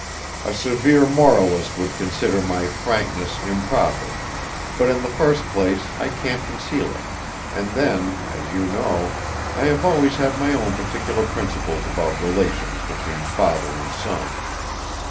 "A severe moralist would consider my frankness improper, but in the first place I can't conceal it, and then, as you know, I have always had my own particular principles about relations between father and son.